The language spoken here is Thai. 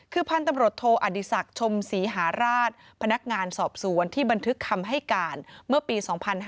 คือพันธุ์ตำรวจโทอดิศักดิ์ชมศรีหาราชพนักงานสอบสวนที่บันทึกคำให้การเมื่อปี๒๕๕๙